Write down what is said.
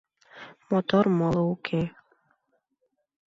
Мотор моло уке